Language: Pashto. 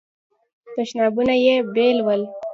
تشنابونه یې بیل ول.